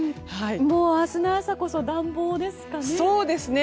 明日の朝こそ暖房ですかね。